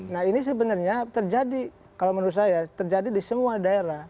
nah ini sebenarnya terjadi kalau menurut saya terjadi di semua daerah